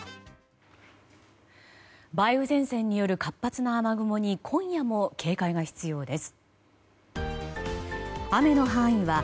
梅雨前線による活発な雨雲に今夜も警戒が必要です。